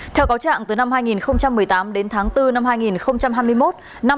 theo cáo trạng từ năm hai nghìn một mươi tám đến tháng bốn năm hai nghìn hai mươi một